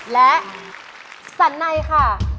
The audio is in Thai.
และสันในค่ะ